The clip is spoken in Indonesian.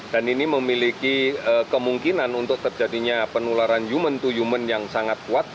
dan ini memiliki kemungkinan untuk terjadinya penularan human to human yang sangat kuat